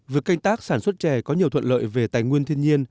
việc canh tác sản xuất chè có nhiều thuận lợi về tài nguyên thiên nhiên